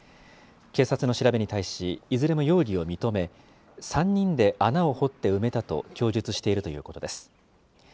警察の調べに対し、いずれも容疑を認め、３人で穴を掘って埋めたと供述しているということです。